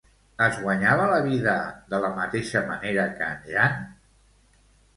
Es guanyava la vida de la mateixa manera que en Jan?